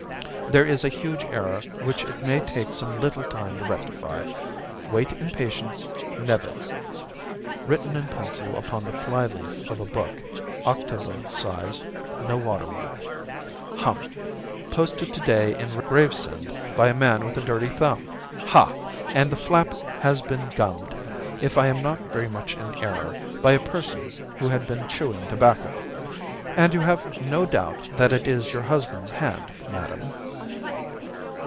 There is a huge error which it may take some little time to rectify. Wait in patience.—NEVILLE.' Written in pencil upon the fly leaf of a book, octavo size, no water mark. Hum! Posted to day in Gravesend by a man with a dirty thumb. Ha! And the flap has been gummed, if I am not very much in error, by a person who had been chewing tobacco. And you have no doubt that it is your husband's hand, madam?"